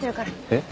えっ？